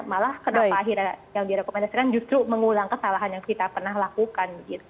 malah kenapa akhirnya yang direkomendasikan justru mengulang kesalahan yang kita pernah lakukan